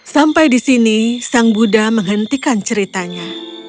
sampai di sini sang buddha menghentikan ceritanya